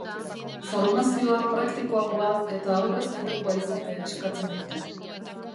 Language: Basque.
Formazioa praktikoagoa eta aurrez aurrekoa izatea eskatzen dute.